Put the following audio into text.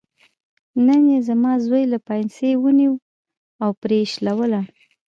نن یې زما زوی له پایڅې ونیوه او پرې یې شلوله.